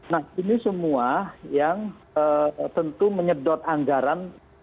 nah ini semua yang tentu menyedot anggaran